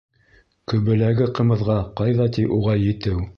Көбөләге ҡымыҙға ҡайҙа ти уға етеү!..